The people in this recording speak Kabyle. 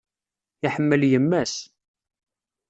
Iḥemmel yemma-s.